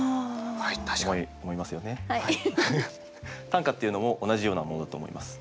短歌っていうのも同じようなものだと思います。